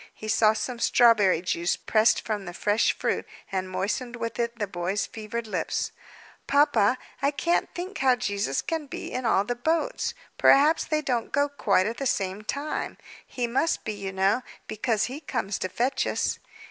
He saw some strawberry juice, pressed from the fresh fruit, and moistened with it the boy's fevered lips. "Papa, I can't think how Jesus can be in all the boats! Perhaps they don't go quite at the same time. He must be, you know, because He comes to fetch us."